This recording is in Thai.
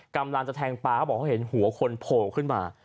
กำลังจะแทงปลาเขาบอกเขาเห็นหัวคนโผล่ขึ้นมา